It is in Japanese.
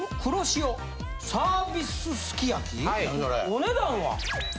お値段は。